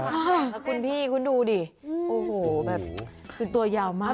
แล้วคุณพี่คุณดูดิโอ้โหแบบคือตัวยาวมาก